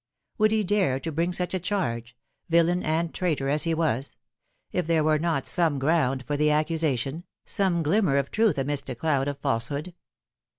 Would he dare to bring such a charge villain and traitor as he was if there were not some ground for the accusation, some glimmer of truth amidst a cloud of falsehood